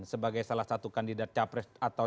sebagai salah satu kandidat capres atau